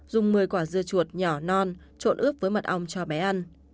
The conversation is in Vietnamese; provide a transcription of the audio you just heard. dùng một mươi quả dưa chuột nhỏ non trộn ướp với mật ong cho bé ăn